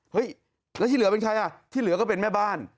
เฮ้ยแล้วที่เหลือเป็นใครอ่ะที่เหลือก็เป็นแม่บ้าน